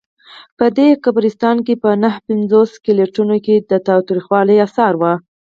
په دې قبرستان کې په نههپنځوس سکلیټونو کې د تاوتریخوالي آثار وو.